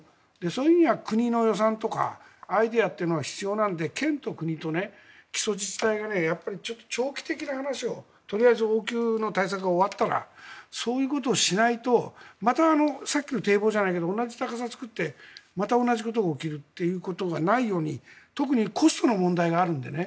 それには国の予算とかアイデアが必要なので県と国と基礎自治体が長期的な話をとりあえず応急の対策が終わったらそういうことをしないとまたさっきの堤防じゃないけど同じ高さで作ってまた同じことが起きるということがないように特にコストの問題があるのでね。